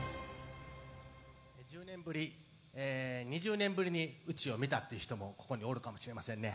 １０年ぶり、２０年ぶりにうちを見たという人もここにおるかもしれませんね。